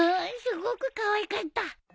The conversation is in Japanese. すごくかわいかった。